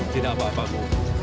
tidak apa apa bu